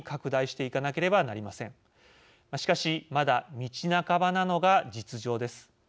しかしまだ道半ばなのが実情です。